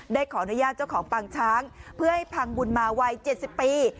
ได้ขออนุญาตเจ้าของปางช้างเพื่อให้พังบุญมาวัย๗๐ปี